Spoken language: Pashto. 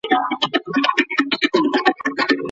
ذهني روغتیا د فزیکي روغتیا په څیر مهمه ده.